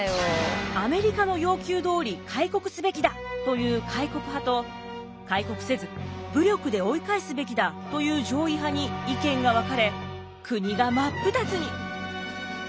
アメリカの要求どおり開国すべきだという開国派と開国せず武力で追い返すべきだという攘夷派に意見が分かれ国が真っ二つに。